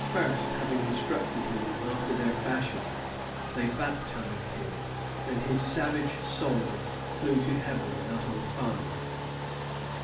125 first, having instructed him after their fashion^ they baptized him, and his savage soul flew to heaven out of the fire.